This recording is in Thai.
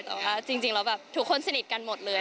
แต่ว่าจริงแล้วแบบทุกคนสนิทกันหมดเลย